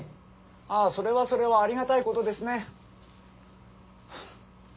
ああそれはそれはありがたいことですね。